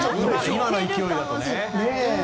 今の勢いだとね。